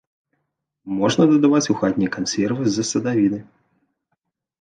Можна дадаваць у хатнія кансервы з садавіны.